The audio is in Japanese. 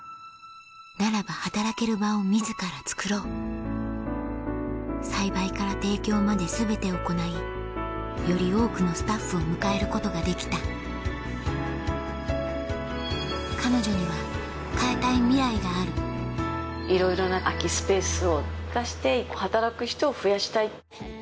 ならば働ける場を自らつくろう栽培から提供まで全て行いより多くのスタッフを迎えることができた彼女には変えたいミライがあるいろいろな空きスペースを生かして働く人を増やしたい。